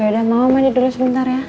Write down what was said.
yaudah mama mandi dulu sebentar ya